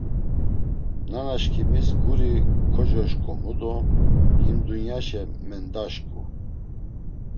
Nanaşǩimis guri kocuşǩomu do him dunyaşe mendaşǩu.